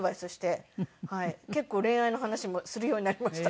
結構恋愛の話もするようになりました。